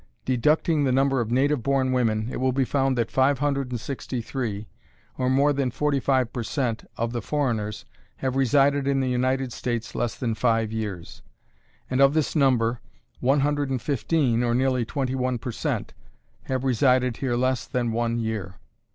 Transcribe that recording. Deducting the number of native born women, it will be found that five hundred and sixty three, or more than forty five per cent. of the foreigners, have resided in the United States less than five years; and of this number, one hundred and fifteen, or nearly twenty one per cent., have resided here less than one year.